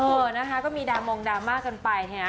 เออนะคะก็มีดามงดราม่ากันไปนะ